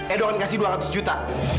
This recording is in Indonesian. edo akan kasih dua ratus juta